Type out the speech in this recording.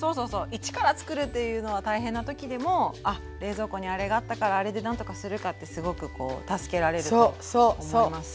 一から作るというのは大変な時でもあっ冷蔵庫にあれがあったからあれで何とかするかってすごくこう助けられると思います。